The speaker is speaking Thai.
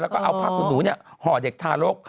แล้วก็เอาผ้าคุณหนูห่อเด็กทารก